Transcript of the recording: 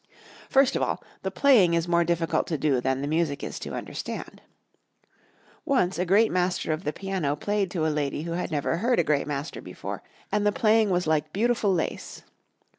First of all, the playing is more difficult to do than the music is to understand. Once a great master of the piano played to a lady who had never heard a great master before, and the playing was like beautiful lace.